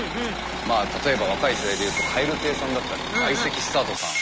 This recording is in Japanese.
まあ例えば若い世代でいうと蛙亭さんだったり相席スタートさん。